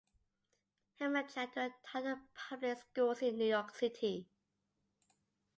Hemachandra taught at public schools in New York City.